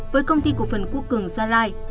với công ty cổ phần quốc cường gia lai